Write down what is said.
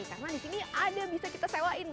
karena di sini ada bisa kita sewain